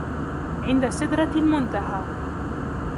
عند سدرة المنتهى